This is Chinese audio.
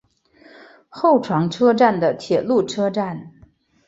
厚床车站的铁路车站。